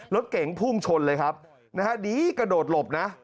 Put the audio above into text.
รถเก๋งพุ่งชนเลยครับนะฮะดีกระโดดหลบนะ